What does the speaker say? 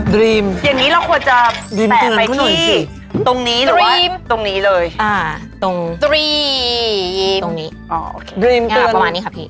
รีมอย่างนี้เราควรจะแตะไปที่ตรงนี้ดรีมตรงนี้เลยอ่าตรงตรีตรงนี้ดรีมค่ะประมาณนี้ค่ะพี่